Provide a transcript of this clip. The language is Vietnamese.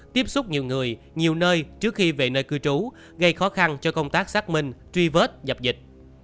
tiếp xúc nhiều người nhiều nơi trước khi về nơi cư trú gây khó khăn cho công tác xác minh truy vết dập dịch